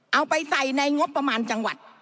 เอาไปใส่ในงบประมาณจังหวัด